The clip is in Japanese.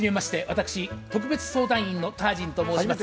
私特別相談員のタージンと申します。